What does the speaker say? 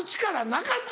なかった